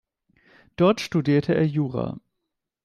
Dort studierte er Jura.